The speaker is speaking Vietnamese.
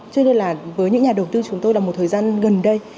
cho nên là với những nhà đầu tư chúng tôi là một thời gian gần đây